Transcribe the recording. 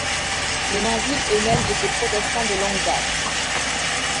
Les Manville eux-mêmes étaient protestants de longue date.